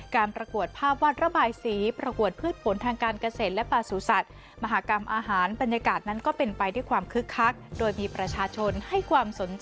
การประกวดภาพวัดระบายสีประกวดเพื่อผลทางการเกษตรและป่าสุสัตว์